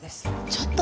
ちょっと。